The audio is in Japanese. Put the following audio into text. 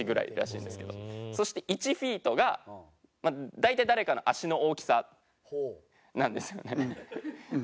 そして１フィートが大体誰かの足の大きさなんですよね。